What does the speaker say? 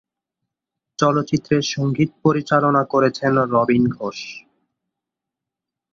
চলচ্চিত্রের সঙ্গীত পরিচালনা করেছেন রবীন ঘোষ।